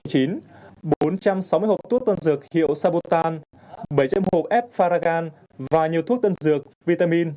bốn trăm sáu mươi hộp thuốc tân dược hiệu sabotan bảy triệu hộp f faragan và nhiều thuốc tân dược vitamin